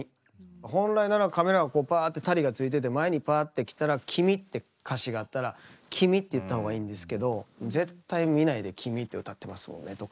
本来ならカメラがこうパーッてタリーがついてて前にパーッて来たら「君」って歌詞があったら「君」って言った方がいいんですけど絶対見ないで「君」って歌ってますもんねとか。